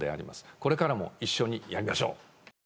これからも一緒にやりましょう。